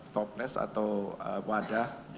toples atau wadah